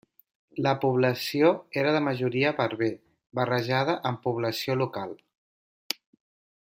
La població era de majoria berber barrejada amb població local.